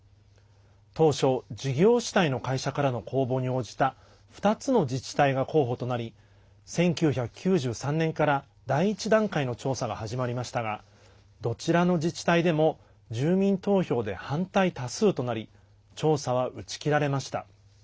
当初、事業主体の会社からの公募に応じた２つの自治体が候補となり１９９３年から第１段階の調査が始まりましたがどちらの自治体でも住民投票で反対多数となり調査は打ち切られました。